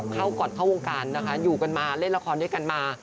ก่อนเข้าวงการนะคะอยู่กันมาเล่นละครด้วยกันมา